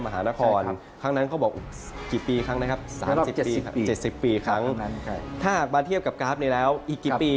มันก็จะเป็นโอกาสแค่ประมาณ๗๘ปี